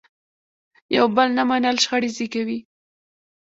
یو بل نه منل شخړې زیږوي.